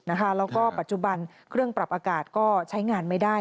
แล้วก็ปัจจุบันเครื่องปรับอากาศก็ใช้งานไม่ได้